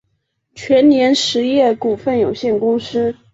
全联实业股份有限公司